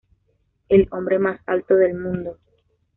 El hombre más alto del mundo.